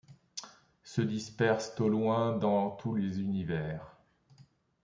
Se dispersent au loin dans tous les univers